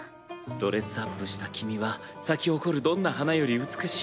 ドレスアップした君は咲き誇るどんな花より美しい。